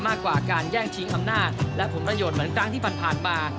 มากกว่าการแย่งชิงอำนาจและผลประโยชน์เหมือนครั้งที่ผ่านมา